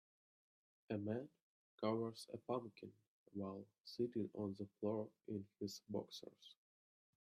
A man carvers a pumpkin while sitting on the floor in his boxers.